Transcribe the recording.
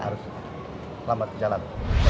harus selamat jalan